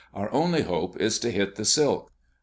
Our only hope is to hit the silk."